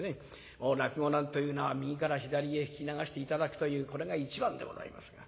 もう落語なんというのは右から左へ聞き流して頂くというこれが一番でございますが。